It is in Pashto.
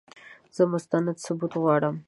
زه مستند ثبوت غواړم !